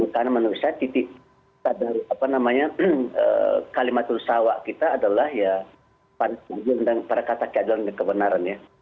karena menurut saya titik apa namanya kalimat usawa kita adalah ya pada kata keadilan dan kebenaran ya